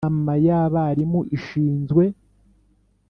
Inama y abarimu ishinzwe